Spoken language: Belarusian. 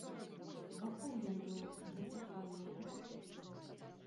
Вакол ён быў, гэты аер.